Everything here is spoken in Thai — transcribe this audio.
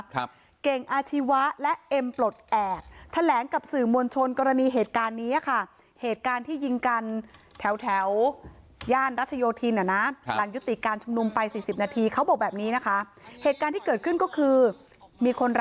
ครับเก่งอาชีวะและเอ็มปลดแอดแถลงกับสื่อมวลชนกรณีเหตุการณ์นี้อะค่ะ